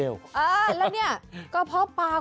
เออแล้วเนี่ยกระเพาะปลากลุ่ม